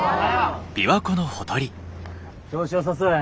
調子よさそうやね。